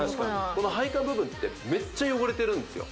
この配管部分ってメッチャ汚れてるんですよ